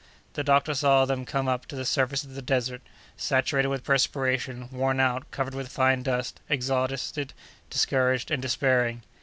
The doctor saw them come up to the surface of the desert, saturated with perspiration, worn out, covered with fine dust, exhausted, discouraged and despairing.